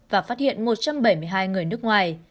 và phát hiện một trăm bảy mươi hai người nước ngoài